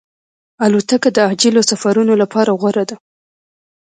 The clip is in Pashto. الوتکه د عاجلو سفرونو لپاره غوره ده.